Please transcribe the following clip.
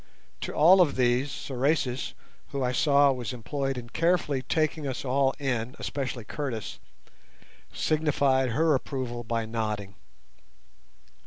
To all of these Sorais, who I saw was employed in carefully taking us all in—especially Curtis—signified her approval by nodding.